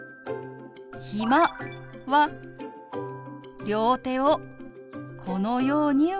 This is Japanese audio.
「暇」は両手をこのように動かします。